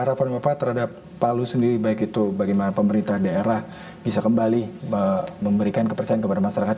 harapan bapak terhadap palu sendiri baik itu bagaimana pemerintah daerah bisa kembali memberikan kepercayaan kepada masyarakat